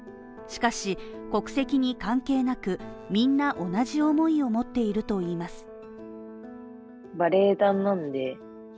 しかし、国籍に関係なく、みんな同じ思いを持っているといいます。